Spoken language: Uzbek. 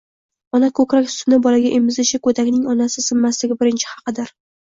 Ona ko‘krak sutini bolaga emizishi go‘dakning onasi zimmasidagi birinchi haqidir.